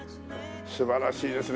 素晴らしいですね。